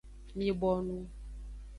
Mi bonu.